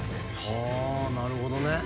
はなるほどね。